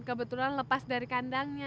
kebetulan lepas dari kandangnya